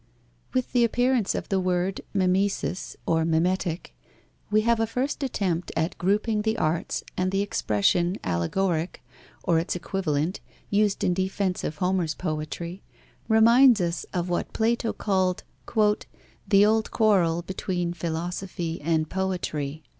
With the appearance of the word mimesis or mimetic, we have a first attempt at grouping the arts, and the expression, allegoric, or its equivalent, used in defence of Homer's poetry, reminds us of what Plato called "the old quarrel between philosophy and poetry."